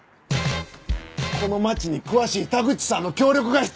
この町に詳しい田口さんの協力が必要なんや！